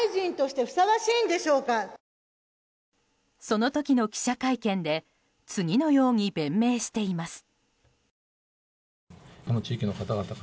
その時の記者会見で次のように弁明しています。